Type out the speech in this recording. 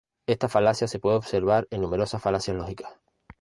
Esta falacia se puede observar en numerosas falacias lógicas.